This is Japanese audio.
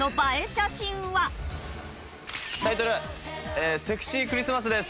タイトルセクシークリスマスです。